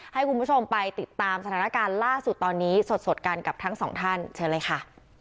ให้คุณผู้ชมไปติดตามสถานการณ์ล่าสุดตอนนี้สดกันกับทั้งสองท่านเชิญเลยค่ะ